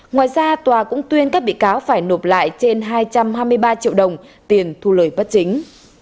ngoài ra tòa cũng tuyên các bị cáo phải nộp lại trên hai trăm hai mươi ba triệu đồng tiền thu lời bất chính